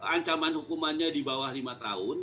ancaman hukumannya di bawah lima tahun